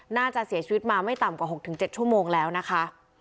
น่าจะเสียชีวิตมาไม่ต่ำกว่า๖๗ชั่วโมงแล้วนะคะ